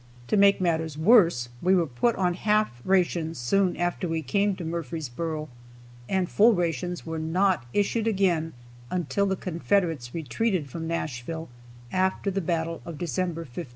To make matters worse, we were put on half rations soon after we came to Murfreesboro, and full rations were not issued again until the Confederates retreated from Nashville after the battle of December 15 16.